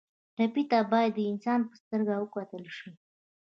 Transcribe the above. ټپي ته باید د انسان په سترګه وکتل شي.